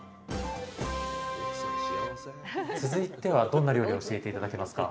続いてはどんな料理を教えて頂けますか？